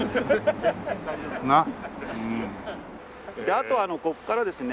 あとここからですね